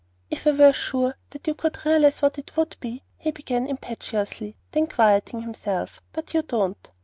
"If I were sure that you could realize what it would be " he began impetuously; then quieting himself, "but you don't.